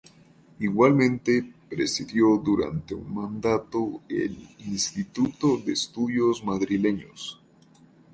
Igualmente, presidió durante un mandato el Instituto de Estudios Madrileños.